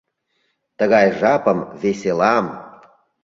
Тыгай жапым, веселам